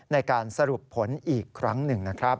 ในการสรุปผลอีกครั้งหนึ่งนะครับ